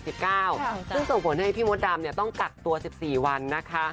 ซึ่งส่งผลให้พี่มดดำต้องกักตัว๑๔วันนะคะ